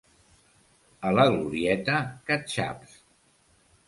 A la Glorieta, catxaps.